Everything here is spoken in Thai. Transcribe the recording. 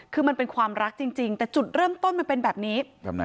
คือมันเป็นความรักจริงแต่จุดเริ่มต้นมันเป็นแบบนี้